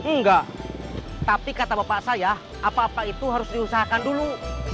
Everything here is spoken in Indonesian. enggak tapi kata bapak saya apa apa itu harus diusahakan dulu